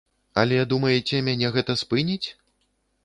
Але, думаеце, мяне гэта спыніць?